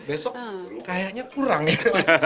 besok kayaknya kurang ya